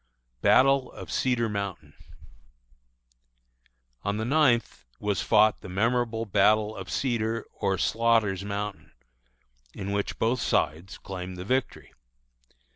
BATTLE OF CEDAR MOUNTAIN. On the ninth was fought the memorable battle of Cedar or Slaughter's Mountain, in which both sides claimed the victory.